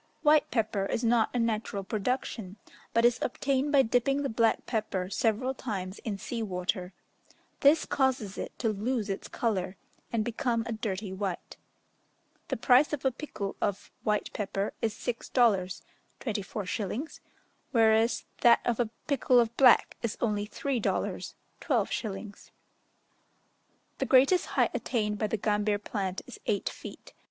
White pepper is not a natural production, but is obtained by dipping the black pepper several times in sea water: this causes it to lose its colour, and become a dirty white. The price of a pikul of white pepper is six dollars (24s.), whereas that of a pikul of black is only three dollars (12s.). The greatest height attained by the gambir plant is eight feet.